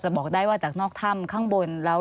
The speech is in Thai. สวัสดีค่ะที่จอมฝันครับ